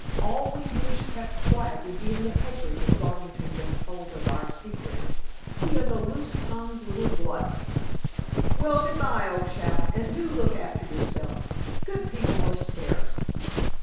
All we wish kept quiet would be in the papers if Garvington gets hold of our secrets. He's a loose tongued little glutton. Well, good bye, old chap, and do look after yourself. Good people are scarce."